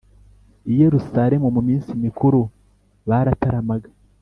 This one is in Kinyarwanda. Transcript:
i Yerusalemu mu minsi mikuru barataramaga